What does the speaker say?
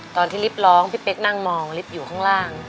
ตอนที่ลิฟต์ร้องพี่เป๊กนั่งมองลิฟต์อยู่ข้างล่าง